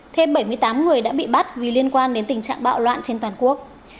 thêm bảy mươi tám người đã bị bắt vì liên quan đến tình trạng bạo loạn trên toàn quốc